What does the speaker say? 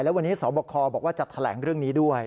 และวันนี้สบคบอกว่าจะแถลงเรื่องนี้ด้วย